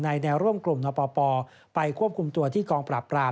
แนวร่วมกลุ่มนปปไปควบคุมตัวที่กองปราบปราม